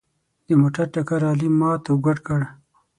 د موټر ټکر علي مات او ګوډ کړ.